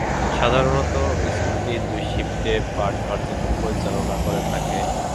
সাধারণত স্কুলটি দুই শিফটে পাঠ কার্যক্রম পরিচালনা করে থাকে।